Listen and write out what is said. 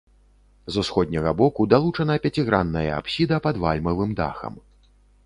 З усходняга боку далучана пяцігранная апсіда пад вальмавым дахам.